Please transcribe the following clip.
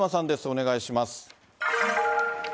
お願いします。